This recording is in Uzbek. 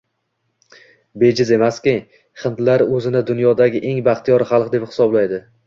Bejiz emaski, hindlar o`zini dunyodagi eng baxtiyor xalq, deb hisoblaydi